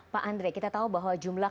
pak andre kita tahu bahwa jumlah